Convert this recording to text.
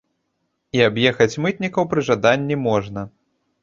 І аб'ехаць мытнікаў пры жаданні можна.